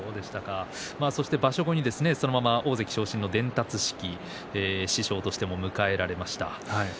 場所後に、そのまま大関昇進の伝達式師匠としても迎えられました。